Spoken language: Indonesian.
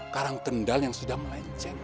karang kendal yang sudah melenceng